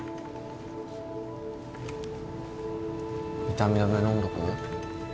痛み止め飲んどく？